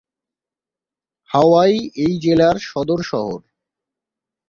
হাওয়াই এই জেলার সদর শহর।